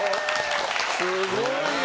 すごいよ。